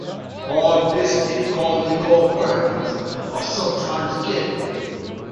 Hard biscuit, commonly called crackers, are sometimes given.